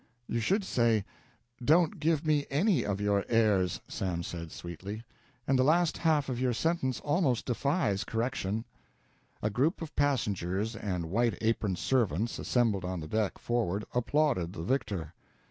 "You should say, `Don't give me any of your airs,'" Sam said, sweetly, "and the last half of your sentence almost defies correction." A group of passengers and white aproned servants, assembled on the deck forward, applauded the victor.